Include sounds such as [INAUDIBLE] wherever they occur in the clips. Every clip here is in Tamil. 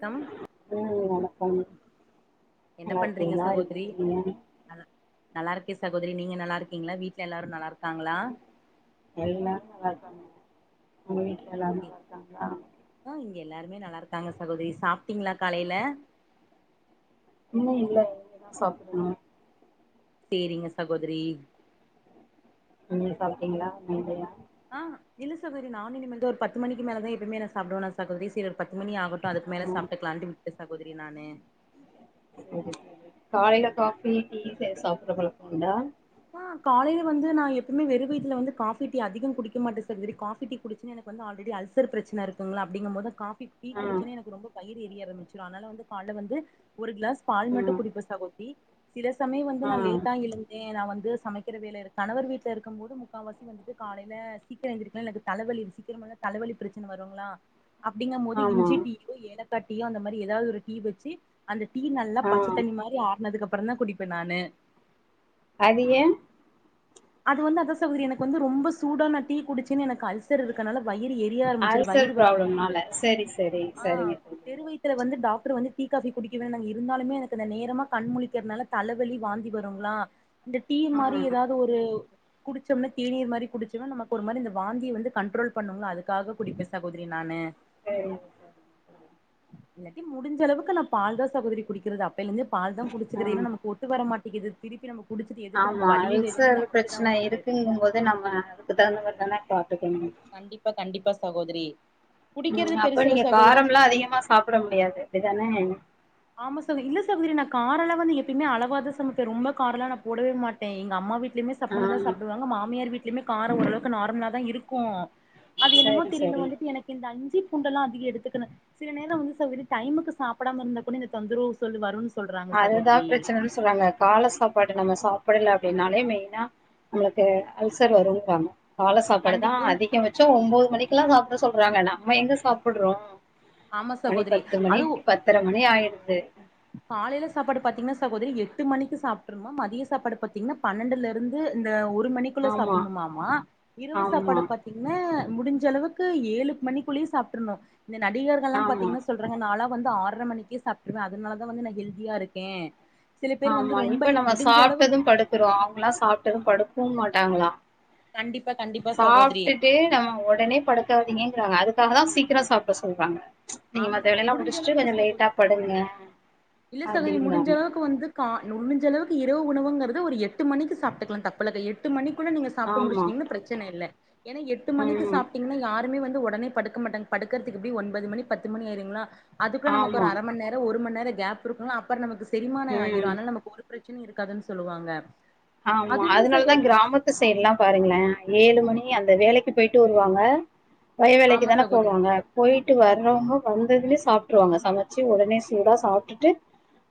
கம் ம் வணக்கம் என்ன பண்றீங்க நல்லாருக்கீங்களா எப்டி சகோதரி இருக்கீங்க நல்லா இருக்கே சகோதரி நீங்க நல்லா இருக்கீங்களா வீட்ல எல்லாரு நல்லா இருக்காங்களா எல்லாரு நல்லா இருக்காங்க உங்க வீட்ல எல்லாரு நல்லா இருக்காங்களா ஆ இங்க எல்லாருமே நல்லா இருக்காங்க சகோதரி சாப்ட்டீங்களா காலைல இல்ல இல்ல இனிமேதா சாப்படணு சேரிங்க சகோதிரி நீங்க சாப்ட்டீங்களா இல்லயா ஆ இல்ல சகோதரி நானு இனிமேல் தா ஒரு பத்து மணிக்கு மேலதா எப்பமே நா சாப்டுவனா சகோதிரி சரி ஒரு பத்து மணி ஆக டோ அதுக்கு மேலே ஆமா சாப்ட்டுக்கலான்ட்டு விட்ட சகோதரி நானு சரி சரி காலைல காஃபி டீ சாப்பட்ற பழக்கோ உண்டா ஆ காலைல வந்து நா எப்பமே வெறு வீத்துல வந்து காஃபி டீ அதிகோ குடிக்க மாட்ட சகோதிரி காஃபி டீ குடிச்சனா எனக்கு வந்து ஆல்ரெடி அல்சர் பிரச்சன இருக்குங்களா அப்டிங்க போது காஃபி டீ ஆ குடிச்சோனே எனக்கு ரொம்ப வயிறு எரிய ஆரம்பிச்சிரு அதனால வந்து காலைல வந்து ஒரு கிளாஸ் பால் மட்டு ம் குடிப்ப சகோதரி சில சமயம் வந்து நா ஆ லேட்டா எழுந்தே நா வந் சமைக்கிற வேல இருக்கு கணவர் வீட்ல இருக்கம் போது முக்கால்வாசி வந்துட்டு காலைல சீக்கிரோ எந்திரிக்கனு இல்லாட்டி தலவலி சீக்கரமா தலவலி பிரச்சன வருங்களா அப்டிங்க போது ஆமா இஞ்சி டீயோ ஏலக்கா டீயோ அந்த மாரி எதாவது ஒரு டீ வச்சு அந்த டீ நல்லா ஆ பச்ச தண்ணி மாரி ஆறனதுக்கப்பறந்தா குடிப்ப நானு அது ஏ அது வந்து அத சகோதரி எனக்கு வந்து ரொம்ப சூடா நா டீ குடிச்சன்னு எனக்கு அல் சர் இருக்கனால வயிறு எரிய ஆரம்பிச்சிரு அல்சர் வயிறு வலிக்கு எனக்கு ப்ராப்ளம்னால சரி சரி ஆ சரிங்க தோழி வெறு வயித் துல வந்து டாக்டர் வந்து டீ காஃபி குடிக்க வேணாங் இருந்தாலுமே எனக்கு இந்த நேரமா கண் முழிக்கறனால தலவலி வாந்தி வருங்களா இந்த டீ ஆ மாரி எதாவது ஒரு குடிச்சோம்னா தேனீர் மாரி குடிச்சம்னா நமக்கு ஒரு மாரி இந்த வாந்திய வந்து கண்ட்ரோல் பண்ணுங்களா அதுக்காக குடிப்பே சகோதரி நானு சேரி இல்லாட்டி முடிஞ்ச அளவுக்கு நா பால் தா சகோதரி குடிக்கறது அப்பைலேந்தே பால் தா குடிச்சுக்கற ஆ ஏன்னா நமக்கு ஒத்து வர மாட்டிக்குது திருப்பி நம்ம குடிச்சது எதுக்கு நம்ம ஆமா குடிச்சிட்டு வலியு வேதனையு அல்சர் நம் பிரச்சன இருக்குங்கு போது நம்ம அதுக்கு தகுந்த மார் தான பாத்துக்கணு கண்டிப்பா கண்டிப்பா சகோதரி ம் குடிக்கிறது அப்ப பெருசுல்ல நீங்க சகோதரி காரம்லா அதிகமா சாப்பட முடியாது அப்டிதானே ஆமா [UNINTELLIGIBLE] இல்ல சகோதரி நா காரோல்லா வந்து எப்பயுமே அளவா தா சமைப்ப ரொம்ப கரோலா நா போடவே மாட்டே எங்க அம்மா வீட்டுலயுமே ஆ சப்புனு தா சாப்டுவாங்க மாமியார் வீட்டிலியுமே காரோ ஓரளவுக்கு நார்மலா தா இருக்கு அது என்னமோ சரி தெரில சரி வந்துட்டு எனக் இந்த அஞ்சி பூண்டல்லா அதிக எடுத்துக்கண சில நேரோ வந்து சகோதரி டைமுக்கு சாப்படாமா இருந்தா கூட இந்த தொந்தரவு சொல்லு வருன் அதுதா பிரச்சனன்னு சொல்லுங்க கால சாப்பாடு நம்ம சாப்படல அப்படின்னாலே மெயினா நம்மளுக்கு அல்சர் வருங்குறாங்க கால சாப்பாடுதா கண்டிப் என்ன அதிக பச்சோ ஒம்போது மணிக்குலா சாப்பட சொல்றாங்க நம்ம எங்க சாப்படுறோ ஆமா மணி சகோதரி பத்து அது மணிக்கு பத்தர மணி ஆயிடுது காலையில சாப்பாடு பாத்திங்கன்னா சகோதரி எட்டு மணிக்கு சாப்ட்ருனுமா மதிய சாப்பாடு பாத்திங்கன்னா பன்னெண்டுல லருந்து இந்த ஒரு மணிக்குள்ள ஆமா சாப்படுணுமாமா இரவு ஆமா சாப்பாடு பத் [UNINTELLIGIBLE] முடிஞ்ச அளவுக்கு ஏழு மணிக்குள்ளயு சாப்டர்னு இந்த நடிகர்கள்லா ஆமா பாத்திங்கன்னா சொல் றாங்க நாளா வந்து ஆர்ற மணிக்கே சாப்டுருவ அதனாலதா வந்து நா ஹெல்தியா இருக்கே சில பேர் ஆமா வந்து ரொம்ப இப்ப நம்ம முடிஞ்ச சாப்ட்டது அளவுக்கு படுக்கறோ அவங்களா சாப்ட்டது படுக்கவு மாட்டாங்களா கண்டிப்பா கண்டிப்பா சகோதரி சாப்டுட்டு ஆ ஒடனே படுக்காதிங்கிறாங்க அதுக்காக தா சீக்கிரோ சாப்பட சொல்றாங்க நீங்க ஆமா மத்த வேலைலா முடிஞ்ச முடிச்சிட்டு அளவுக்கு கொஞ்சோ சகோதரி லேட்டா படுங்க இல்ல சகோதரி முடிஞ்ச அப்படிங்றாங்க அளவுக்கு வந்து கா நுணுஞ்சளவுக்கு இரவு உணவுங்கறது ஒரு எட்டு மணிக்கு சாப்டுக்கலா தப்பில்லகா எட் ட்டு மணிக்குள்ள நீங்க சாப்ட்டு ஆமா முடிச்சிட்டிங்னா பிரச்சன இல்ல என எட்டு மணிக்கு ம் சாப் டிங்ன்னா யாருமே வந்து ஒடனே படுக்க மாட்டாங்க படுக்கறதுக்கு எப்படியு ஒன்பது மணி பத்து மணி ஆயிருங்களா அதுக்கு நமக்கு ஒரு ஆமா அர மண் நேரோ ஒரு மண் நேரோ கேப் இருக்கணு அப்பறோ நமக்கு செரிமான ஆயிரு ம் அதனால நமக்கு ஒரு பிரச்சனி இருக்காதுன்னு சொல்லுவாங்க ஆமா அதுவுமே அதனாலதா சகோதரி கிராமத்து சைடுலலா பாருங்களே ஏழு மணி அந்த வேலைக்கு போயிட்டு வருவாங்க வய வேலைக்கு ஆமா தான சகோதரி போவாங்க போயிட்டு வர்றவங்க வந்ததுலே சாப்டுருவாங்க சமச்சு உடனே சூடா சாப்ட்டுட்டு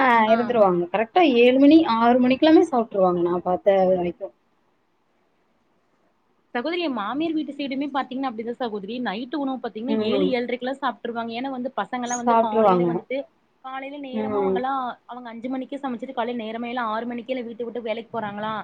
அ ஆ இருந்துருவாங்க கரெக்டா ஏழு மணி ஆறு மணிக்குலாமே சாப்டுருவாங்க நா பாத்த வரைக்கு சகோதரி எ மாமியார் வீட்டு சைடுமே பாத்திங்ன்னா அப்படிதா சகோதரி நைட்டு உணவு பாத்திங்கன்னா ஏழு ம் ஏழ்ரைக்குலா சாப் ட்டுருவாங்க ஏன்னா வந்து பசங்கலா வந்து காலையில சாப்ட்ருவாங்க வந்துட்டு காலையில நேரமா ம் அவங்கல்லா அவங்க அஞ்சு மணிக்கு சமச்சுட்டு காலை நேரமேல ஆறு மணிக்கே எல்லா வீட்ட விட்டு வேலைக்கு போறாங்களா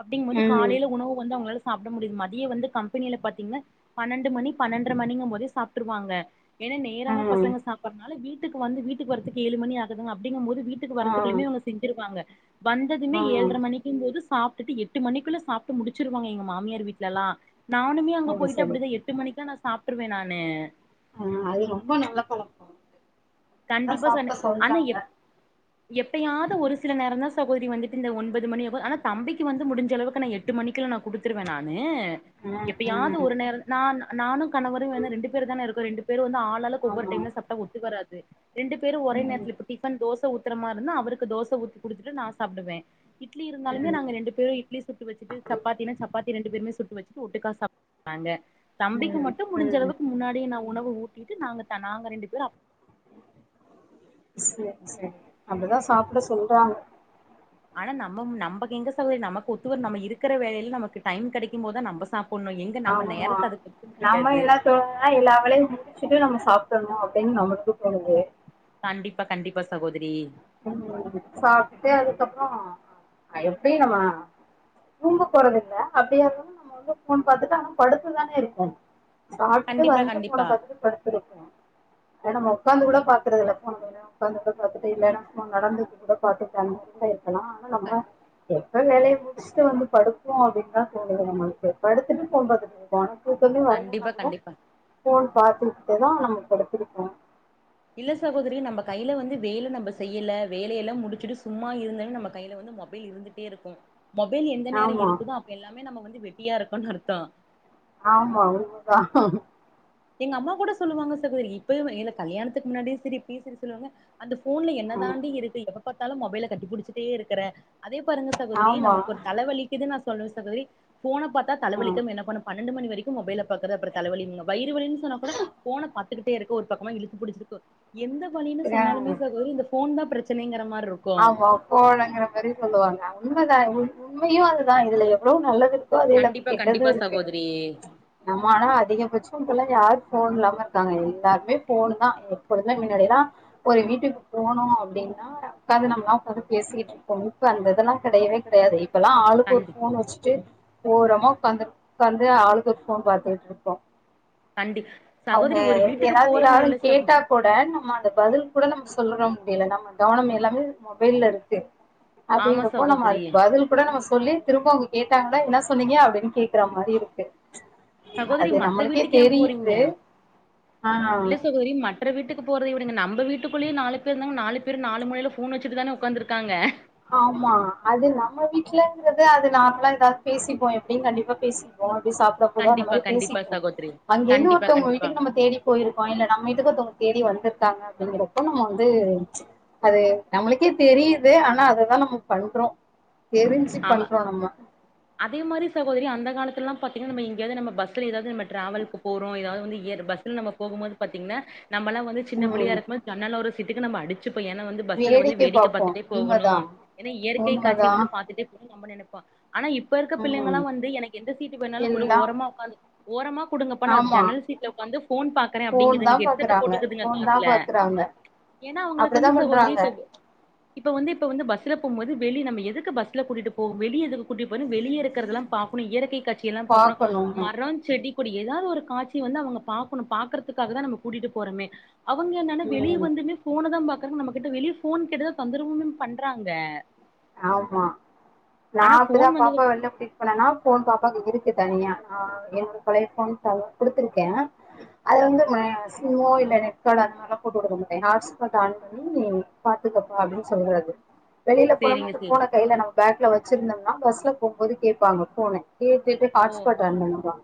அப்டிங்கு போது ம் காலையில உணவு வந்து அவங்களால [INAUDIBLE] மதியோ வந்து கம்பெனியில பாத்திங்கன்னா பன்னண்டு மணி பன்னண்ர மணிங்கு போதே சாப்புட்டுருவாங்க ஏன்னா ஆ நேரமா பசங்க சாப்படுறனால வீட்டுக்கு வந்து வீட்டுக்கு வரத்துக்கு ஏழு மணி ஆகுதுங்க அப்டிங்கு போது வீட் டுக்கு ஆ வரத்துக்குள்ளயுமே இவங்க செஞ்சிருவாங்க வந்ததுமே ஆ ஏழ்ர மணி க்கு போது சாப்டுட்டு எட்டு மணிக்குள்ள சாப்ட்டு முடிச்சிருவாங்க எங்க மாமியார் வீட்லெல்லா நானுமே அங்க அது போயிட்டு சரி அப்படிதா எட்டு மணிக்குலா நா சாப்டுவே நானு ஆ அது ரொம்ப நல்ல பழக்கோ அதா கண்டிப்பா சாப்ட சொன்ன அனா சொல்றாங்க எப் எப்பயாது ஒரு சில நேரோ தா சகோதரி வந்துட்டு இந்த ஒன்பது மணி [UNINTELLIGIBLE] அனா தம்பிக்கு வந்து முடிஞ்சளவுக்கு நா எட் எட்டு மணிக்குலா நா குடுத்துருவே நானு ம் எப்பயாது ம் ஒரு நேரோ நா நானு கணவரு வேண்ணா ரெண்டு பேர் தான இருக்கோ ரெண்டு பேரு வந்து ஆ ஆளாளுக்கு ஒவ்வொரு ஆமா டைம்லா சாப்டா ஒத்து வராது ரெண்டு பேரு ஒரே ம் நேரத்துல இப்ப டிபன் தோச ஊத் க்கற மார்ருந்தா அவுருக்கு தோச ஊத்தி குடுத்துட்டு நா சாப்டுவே இட்லி இருந்தாலுமே ம் நாங்க ரெண்டு பேரு இட்லி சுட்டு வச்சிட்டு சப்பாத்தினா சப்பாத்தி ரெண்டு பேருமே சுட்டு வச்சுட்டு ஒட்டுக்கா சாப் [INAUDIBLE] றாங்க தம்பிக்கு ம் மட்டு ம் முடிஞ்சளவுக்கு முன்னாடியே நா உணவு ஊட்டிட்டு நாங்க த நாங்க ரெண்டு பேரு அப் சேரி சேரி அப்டிதா சாப்ட சொல்றாங்க ஆனா நம்மம் நம்பக் எங்க சகோதரி நமக்கு ஒத்துவர்ன் நம்ம இருக்கற வேலைல் நமக்கு டைம் கெடைக்கும் போத் தா நம்ப சாப்புட்ணு எங் ஆமா நாம எல்லா தோ ஆனா எல்லா வேலையு முடிச்சிட்டு நம்ம சாப்ட்டர்ணு அப்டின் நமக்கு தோணுது கண்டிப்பா கண்டிப்பா சகோதரி ம் சாப்ட்டுட்டு அதுக்கப்றோ அ எப்டி நம்ம தூங்க போறதில்ல அப்டியே ரூம்ல நம்ம வந்து போன் பாத்துட்டு படுத்து தானே இருக்கோ சாப்ட்டுட்டு கண்டிப்பா வந்து ஃபோன கண்டிப்பா பாத்துட்டு படுத் [UNINTELLIGIBLE] ஏ நம்ம ஒக்காந்து கூட பாக்கறதுல்ல [INAUDIBLE] ஒக்காந்து கூட பாத்ததே இல்ல நடந்துட்டு கூட பாத்து கூட இருக்கலா ஆனா நம்ம கண் எப்ப வேலைய முடிஸ்ட்டு வந்து படுப்போ அப்டின் தா தோணுது நம்மள்க்கு படுத்துட்டு ஃபோன் பாக்கற்து [UNINTELLIGIBLE] வரணுன்னா கண்டிப்பா கூட கண்டிப்பா போன் பாத்துக்கிட்டே தா நம்ம படுத்துருப்போ இல்ல சகோதரி நம்ப கைல வந்து வேல நம்ப செய்யில்ல வேலயெல்லா முடிச்சிட்டு சும்மா இருந்தாலு நம்ம கைல வந்து மொபைல் இருந்துட் டே இருக்கு மொபைல் எந்த நேரோ ஆமா இருக்குதோ அப்ப எல்லாமே நம்ம வந்து வெட்டியா இருக்கோன் அர்த்தோ ஆமா உண்ம தா எங்க அம்மா கூட சொல்லுவாங்க சகோத்ரி இப்பயுமா இல்ல கல்யாணத்துக்கு முன்னாடியு சரி இப்பயு சரி சொல்லுவாங்க அந்த ஃபோன்ல என்ன தாண்டி இருக்கு எப்ப பாத்தாலு மொபைல கட்டிபுடிச்சுட்டே இருக்கற அதே பாருங்க சகோதரி ஆமா நமக் ஒரு தலவலிக்குதுன் நா சொல்லுவ சகோதரி ஃபோன பாத்தா ஆ தலவலிக்காம என்ன பண்ணு பன் னெண்டு மணி வரைக்கு மொபைல பாக்கற அப்பறோ தலவலி இன்னு வயிறு வலின் சொன்னா கூட ஃபோன பாத்துக்கிட்டே இருக்க ஒரு பக்கமா இழுத்து புடிச்சிருக்கு எந்த வலின்னு சொன்னாலுமே சகோத்ரி இந்த ஃபோன் தா பிரச்சனைங்கிற மார்ருக் ஆமா ஃபோனுங்கிற மாரி சொல்லுவாங்க உண்ம தா உண் உண்மையு அது தா இதுல எவ்ளோ நல்லது இரு க்கோ அது இல்லாம கண்டிப்பா கெட்டது கண்டிப்பா இருக்கு சகோதரி நம்ம ஆனா அதிகபட்சோ பிள்ளைங்க யாரு ஃபோன் இல்லாம இருக்காங்க எல்லாருமே ஃபோனு தா எப்போதுமே மின்னாடில்லா ஒரு வீட்டுக்கு போனோ அப்டின்னா உக்காந்து நம்பல்லா கத பேசிகிட்ருப்போ இப்ப அந்த இதெல்லா கெடையவே கெடையாது இப் பல்லா ஆளுக் ஒரு கண்டி ஃபோன் வச்சிட்டு ஓரமா உக்காந்து உக்காந்து ஆளுக் ஒரு ஃபோன் பாத்துக்கிட்ருக்கோ கண்டி அவுங்க சகோதரி ஒரு வீட்டுக்கு எதாவ்து போறதுன்னு யாரு இல்ல சகோ கேட்டா கூட நம்ம அந்த பதில் கூட நம்ம சொல்லற முடியில நம்ம கவனம் எல்லாமே மொபைல்லருக்கு ஆமா அப்டிங்கறப்போ நம்ம சகோதரி அதுக் பதில் கூட நம்ம சொல்லி திரும்ப அவுங்க கேட்டாங்கனா என்னா சொன்னீங்க அப்டின் கேக்கற மாரி இருக்கு சகோதரி அது மத்த நம்மளுக்கே வீட்டுக்கு ஏ போறீங்க தெரியுது ஆஹ் இல்ல சகோதரி ம வேற வீட்டுக்கு போகிறது விடுங்க நம்ப வீட்டுக்குள்ளய நாலு பேர் இருந்தா நாலு பேரு நாலு மூலைல போன் வெச்சுட்டுதான உக்காந்துருக்காங்க ஆமா அது நம்ம வீட்லங்றது அது நார்மலா எதாவ்து பேசிப்போ எப்டியு கண்டிப்பா பேசிப்போ அப்டி சாப் ட்றப்போலா அந்த கண்டிப்பா மாரி கண்டிப்பா பேசிப்போ சகோதரி அங்கெர்ந்து கண்டிப்பா ஒர்த்தவ்ங்க கண்டிப்பா வீட்டுக்கு நம்ம தேடி போயிருக்கோ இல்ல நம்ம வீட்டுக்கு ஒர்த்தவ்ங்க தேடி வந்திருக்காங்க அப்டிங்கிறப்போ நம்ம வந்து அது நம்ளுக்கே தெரியிது ஆனா அத தா நம்ம பண்றோ தெரிஞ்சி ஆமா பண்றோ நம்ம அதே மாரி சகோதரி அந்த காலத்துலளா பாத்தீங்கன்னா நம்ம எங்கயாவது நம்ம பஸ்ல எதாவது நம்ம டிராவலுக்கு போறோ எதாவது பஸ்ல நம்ம போகும்போது பாத்தீங்னா நம்மல்லா வந்து சின்ன புள்ளயா உம் இருக்மோத் ஜன்னலோர சீட்டுக்கு நம்ம அடிச்சிப்போ ஏனா வந்து பஸ்சுல வந்து வேடிக்கை வேடிக்க பார்ப்போம் பாத்துட்டே போகணு உண்மைதான் ஏனா இயற்கை காட்சி உண்மைதான் வந்து பாத்துட்டே போணுனு நம்ப நெனைப்போ ஆனா இப் ப இருக்க பிள்ளைங்கல்லா உம் வந்து எனக் எந்த சீட்டு வேணாலு குடு எல்லாம் ஓரமா ஒக்காந்து ஓரமா குடுங்கப்பா நா ஆமா ஜன்னல் சீட்ல உக்காந்து ஃபோன் பாக்கறே ஃபோன் தா அப்டிங்கிதுங்க ஹெட்செட்ட பாக்குறாங்க போட்டுக்குதுங்க ஃபோன் தா காதுல பாக்குறாங்க ஏனா அவங்களுக் அப்டித்தா வந்து சகோதரி பண்றாங்க [UNINTELLIGIBLE] இப்ப வந்து இப்ப வந்து பஸ்ல போம்போது வெளிய நம்ம எதுக்கு பஸ்ல கூட்டிட்டு போக வெளிய எது கூட்டிட்டு வெளிய இருக்கறதெல்லா பாப் ஒன்னு இயற்கை காட்சியெல்லா பாக்கணு பாக்கணும்னு மரோ செடி கொடி எதாவ்து ஒரு காட்சி வந்து அவங்க பாக்கணு பாக்கறத்துக்காக தா நம்ம கூட்டிட்டு போறமே அவுங்க என்னனா வெளிய ம் வந்துமே ஃபோனதாம் பாக்கறாங்க நம்ம கிட்ட வெளிய ஃபோன் கேட்டுதா தொந்தரவுமேம் பண்றாங்க ஆமா நா ஆனா அப்டிதா ஃபோன் வந்தது பாப்பா வெள்ல கூட்டிட் இப்ப என்னன்னா போன் பாப்பாக்கு இருக்கு தனியா ஆ என்னோட பழைய போன் குடுத்திருக்கே அது வந்து சிம்மோ இல்ல நெட்கார்ட் அந்த மாரிலா போட்டு விடமாட்டே ஹாட்ஸ்பாட் ஆன் பண் ம் பாத்துகப்பா அப்டின் சொல்றது வெளில போனமா சேரிங்க அந்த சேரி ஃபோனக் கைல நம்ம பேக்ல வச்சிருந்தோம்னா பஸ்ல போம்போது கேப்பாங்க ஃபோனு கேட்டுட்டு ஓ ஹாட்ஸ்பாட் ஆன் பண்ணுப்பா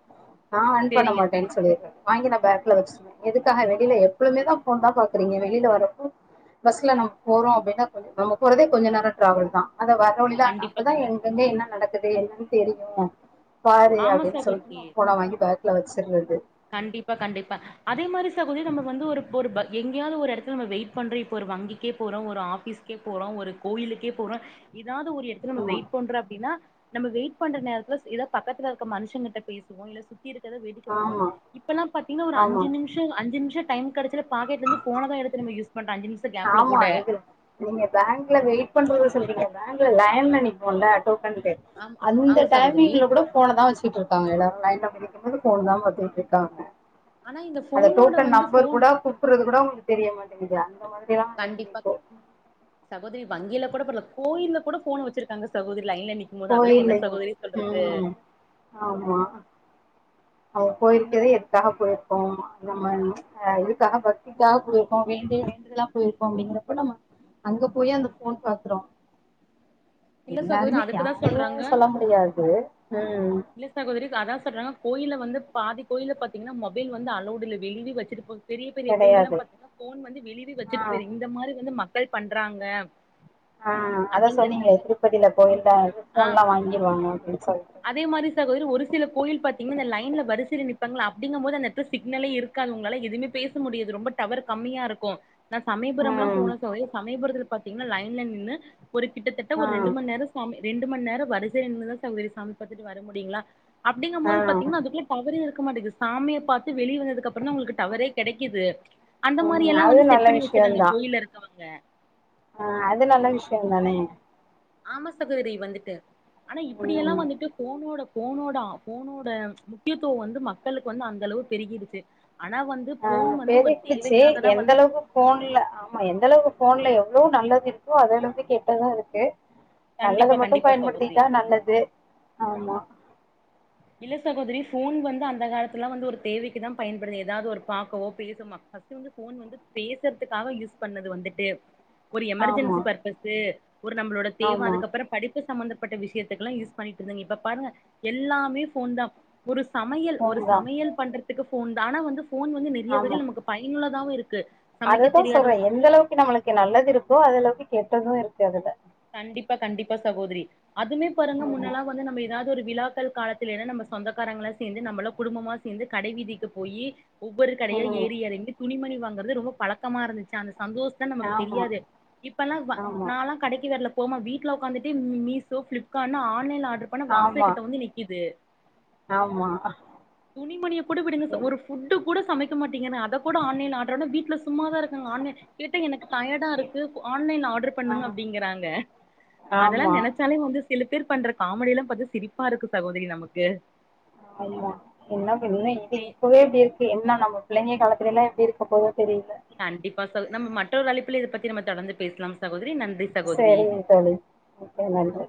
நா ஆன் பண்ண சேரிங்க சேரி மாட்டேன்னு சொல்லிருக்கே வாங்கி நா பேக்ல வச்ருவே எதுக்காக வெளில எப்பொழுமேதா ஃபோன்தா பாக்றீங்க வெளில வரப்போ பஸ்ல நம்ம போறோ அப்டினா கொஞ்ச நம்ம போரதே கொஞ்ச நேரோ ட்ராவெல்தா அத வர வழில அந் கண்டிப்பா அப்பதா கண்டிப்பா எங்கங்க என்ன நடக்குது என்னன் தெரியு பாரு ஆமா அப்டின் சொல்ட்டு சகோதரி நா ஃபோன வாங்கி பேக்ல வச்சர்றது கண்டிப்பா கண்டிப்பா அதே மாரி சகோதரி நம்ம வந்து ஒருப் ஒருப்ப எங்கியாவது ஒரு எடத்துல நம்ம வெயிட் பண்றோ இப்ப ஒரு வங்கிக்கே போறோ ஒரு ஆபிஸ் க்கேப் போறோ ஒரு கோயிலுக்கேப் போறோ எதாது ஒரு எடத்துல நம்ம ஆமா வெயிட் பண்றோ அப்டினா நம்ம வெயிட் பண்ற நேரத்துலச் இதாப் பக்கத்ல இருக்க மனுஷங்கிட்ட பேசுவோ இல்ல சுத்தி இருக்கத வேடிக்க பாப்போ ஆமா இப்பல்லாம் பாத்தீங்னா ஒரு ஆமா அஞ்ச நிம்ஷோ அஞ்சி நிம்ஷோ டைம் கெடச்சாலெ பாக்கெட்லந்து ஃபோனதா நம்ம எடுத்து யுஸ் பண்ற அஞ்சு நிம்ஷ் ஆமா இது நீங்க பேங்க்ல வெயிட்ப் பண்றத சொல்றீங்க பேங்க்ல லைன்ல நிப்போல டோக்கன்கு ஆம் அந்த ஆமா சகோதரி டைமிங்ல கூட ஃபோனதா வச்சிட்ருக்காங்க எல்லாரு லைன்ல வந்து நிக்கும்போது ஃபோன்தா பாத்துட்ருக்காங்க ஆனா இந்த அத ஃபோனோட டோக்கன் வந்து நம்பர் ஃபோன் கூட குப்புர்றது கூட அவுங்குளுக்கு தெரிய மாட்டேங்குது அந்த மாதிரியலா கண்டிப்பா சகோதரி வங்கிலக் கூடப் பர்ல கோயில்லக் கூட ஃபோன வச்சிருக்காங்க சகோதரி லைன்ல நிக் கும்போது அதெலா என்ன கோயில்லயும் சகோதரி சொல்றது ம் ஆமா அவோ இந்த போயிருக்கதே போ எதுக்காகப் போயிருக்கோ அந்த மாரி ஆ இதுக்காக பக்திக்காக போயிருக்கோ வேண்டிய வேண்டுதலாப் போயிருக்கோ அப்டிங்கிறப்ப நம்ம அங்கப் போய் அந்த ஃபோன் பாக்றோ [INAUDIBLE] எல்லாருமே அதுக்குதா யாரையு சொல்றாங்க சொல்ல முடியாது ம் ம் இல்ல சகோதரி அதா சொல்றாங்க கோயில்ல வந்துப் பாதி கோயில்ல பாத்தீங்கனா மொபைல் வந்து அலோவ்டு இல்ல வெளியவே வச்சுட்டு போய் பெரியப் பெரியக் கோயிலாம் கெடையாது பாத்தீங்னாப் ஃபோன் வந்து வெளியவே ஆ வச்சுட்டுப் போய்ரு இந்த மாரி வந்து மக்கள் பண்றாங்க ஆ அதா சொன்னீங்லே அப்டிங்கறதுக்காக திருப்பதில கோயில்லா ஆ செல்போன்லா வாங்கிருவாங்க அப்டின் சொல் அதே மாரி சகோதரி ஒரு சில கோயில் பாத்தீங்னா இந்த லைன்ல வரிசைல நிப்பாங்ளா அப்டிங்கம் போது அந்த எட்த்துல சிக்னலே இருக் க்காது உங்ளால எதுமே பேச முடியாது ரொம்ப டவர் கம்மியாருக்கு நா சமயபுரம்லா ம் போன சகோதரி சமயபுரத்துல பாத்தீங்னா லைன்ல நின்னு ஒரு கிட்டத்தட்ட ஆ ஒரு ரெண்டு மண் நேரச் சாமி ரெண்டு மண் நேரோ வரிசைல நின்னுதா சகோதரி சாமிப் பாத்துட்டு வர முடியுங்ளா அப்டிங்கம் ஆ போது பாத்தீங்னா அதுக்குள்ள டவரே இருக்க மாட்டுகுது சாமியப் பாத்து வெளிய வந்ததுக்கப்பறந்தா உங்குளுக்கு டவரே கெடைக்கிது அந்த மாரி ம் எல்லா அது வந்து செட் நல்ல பண்ணி வச்சர்றாங்க விஷயந்தா கோயில்ல இருக்கவங்க ஆ அது நல்ல விஷ்யந்தானே ஆமா சகோதிரி வந்துட்டு ஆனா இப்பிடியெல்லா ம் வந்துட்டு ஃபோனோட ஃபோனோட ஆ ஃபோனோட முக்கியத்துவ வந்து மக்களுக்கு வந்து அந்தளவு பெருகிடுச்சு ஆனா வந்து ஆ ஃபோன் வந்து ஒரு பெருகிடுச்சு தேவைக்காகதா எந்த வந்து அளவுக்கு ஃபோன்ல ஆமா எந்த அளவுக்கு ஃபோன்ல எந்தளவு நல்லது இருக்கோ அதே அளவுக்கு கெட்டது இருக்கு நல்லது கண்டிப்பா மட்டு கண்டிப்பா சகோதரி பயன்படுத்திகிட்டா நல்லது ஆமா இல்ல சகோதரி ஃபோன் வந்து அந்த காலத்துலா வந்து ஒருத் தேவைக்குதாம் பயன்படுது எதாவது ஒரு பாக்கவோப் பேசுமா து வந்து ஃபோன் வந்து பேசறதுக்காக யூஸ் பண்ணது வந்துட்டு ஒரு ஆமா எமர்ஜென்சி பர்பஸ்சு ஒரு நம்ளோட தேவ ஆமா அதுக்கப்பறோப் படிப்பு சம்பந்தப்பட்ட விஷ்யத்துக்லா யூஸ் பண்ணிட்ருந்தீங்க இப்ப பாருங்க எல்லாமே ஃபோன்தா ஒரு சமையல் ஒரு ஃபோன் தா சமையல் பண்றதுக்கு ஃபோன் தா ஆனா வந்து ஃபோன் வந்து நெறைய வகையில் நமக்கு பயனுள்ளதாவு இருக்கு சமைக்க அததா சொல்றே தெரியாதவங்களுக்கு எந்த அளவுக்கு நம்மளுக்கு நல்லது இருக்கோ அது அளவுக்கு கெட்டது இருக்கு அதுல கண்டிப்பா கண்டிப்பா சகோதரி அதுமே பாருங்க ஆமா முன்னேலா வந்து நம்ம ஏதாவது ஒரு விழாக்கள் காலத்திலேலா நம்ம சொந்தக்காரங்ள சேர்ந்து நம்மள குடும்பமா சேர்ந்து கடை வீதிக்கி போயி ஒவ்வொரு கடையா ம் ஏறி எறங்கி துணிமணி வாங்கறது ரொம்ப பழக்கமாருந்துச்சு அந்த சந்தோஷ் நமக்கு ஆமா தெரியாது இப்பல்லா ஆமா நாலா கிவரல போமா வீட்ல உக்காந்துட்டு மீசோ ஃபிலிப்கார்ட்னு ஆன்லைன் ஆர்டர் பண்ணா வாச ஆமா கிட்ட வந்து நிக்கிது ஆமா துணிமணிய கூட விடுங்க சகோத் எ- ஒரு ஃபுட்டு் கூட சமைக்க மாட்டீங்கன்னா அத கூட ஆன்லைன்ல ஆர்டர்னு வீட்ல சும்மாதா இருக்காங்க ஆன்லைன் கேட்டா எனக்கு டயடாருக்கு ஆன்லைன்ல ஆர்டர் ஆ, பண்ணுங்க அப்டிங்குறாங்க அதெல்லா ஆமா நெனச் சாலே வந்து சில பேர் பண்ற காமெடியல்லா பாத்த சிரிப்பாருக்கு சகோதரி நமக்கு ஆமா என்ன பின்ன இது இப்பவே இப்டிருக் இப்ப என்ன நம்ம புள்ளங்க காலத்துலல்லா எப்டி இருக்க போதோ தெரியல கண்டிப்பா சகோதி நம்ம மற்றொரு அழைப்பில இத பத்தி நம்ம தொடர்ந்து பேசலாம் சகோதரி நன்றி சகோதரி செரிங்க தோழி ஓகே நன்றி